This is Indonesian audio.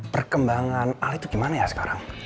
perkembangan al itu gimana ya sekarang